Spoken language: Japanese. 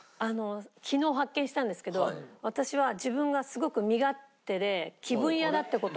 昨日発見したんですけど私は自分がすごく身勝手で気分屋だって事を。